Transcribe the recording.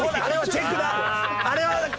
チェックだ！